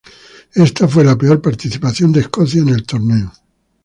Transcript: Esta fue la peor participación de Escocia en el torneo.